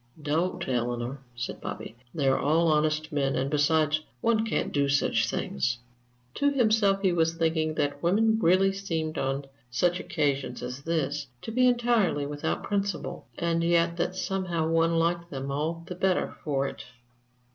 "Don't, Eleanor," said Bobby. "They're all honest men and besides, one can't do such things!" To himself he was thinking that women really seemed on such occasions as this to be entirely without principle, and yet that somehow one liked them all the better for it.